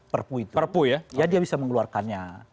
perpu itu ya dia bisa mengeluarkannya